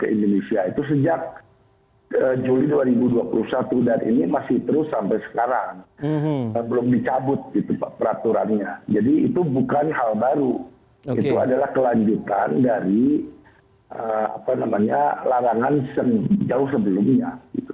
indonesia itu sejak juli dua ribu dua puluh satu dan ini masih terus sampai sekarang belum dicabut peraturannya jadi itu bukan hal baru itu adalah kelanjutan dari larangan jauh sebelumnya